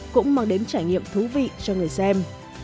cũng mang đến trải nghiệm thú vị cho người xem